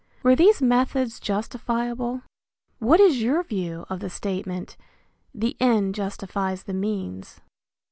Were these methods justifiable? What is your view of the statement, "The end justifies the means"?